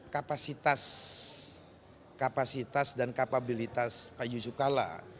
kemampuan kapasitas dan kapabilitas pak yusukala